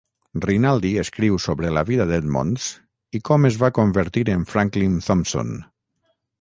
Rinaldi escriu sobre la vida d'Edmonds i com es va convertir en Franklin Thompson.